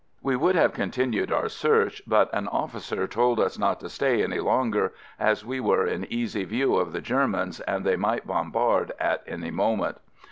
We would have continued our search, but an officer told us not to stay any longer, as we were in easy view of the Germans and they might bombard at any moment.